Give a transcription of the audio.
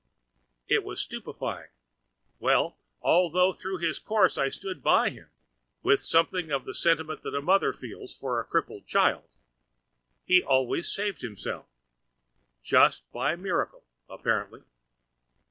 It was stupefying. Well, although through his course I stood by him, with something of the sentiment which a mother feels for a crippled child; and he always saved himself—just by miracle, apparently.